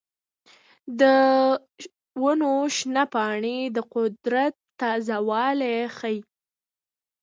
د ونو شنه پاڼې د قدرت تازه والی ښيي.